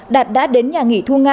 đạt đã đến nhà nghỉ thu nga